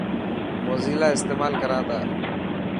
موزيلا استيمال ڪران تا.